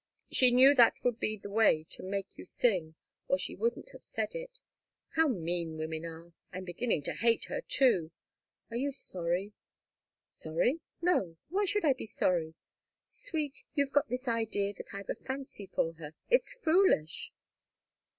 "She knew that would be the way to make you sing, or she wouldn't have said it. How mean women are! I'm beginning to hate her, too. Are you sorry?" "Sorry? No. Why should I be sorry? Sweet you've got this idea that I've a fancy for her it's foolish."